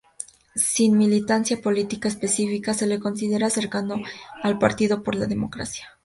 Sin militancia política específica, se le considera cercano al Partido por la Democracia.